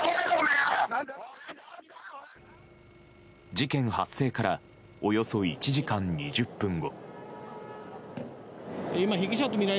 事件発生からおよそ１時間２０分後。